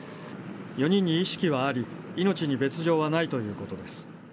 ４人に意識はあり、命に別状はないということです。